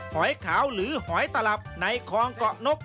หอยขาวหรือหอยตลับในคลองเกาะนก